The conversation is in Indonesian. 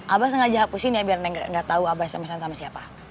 abah sengaja hapusin ya biar neng gak tau abah sms an sama siapa